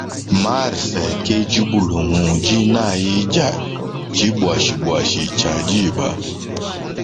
Mars ke dibulungu dinayi dia tshibuashibuashi tshia diba.